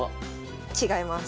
違います。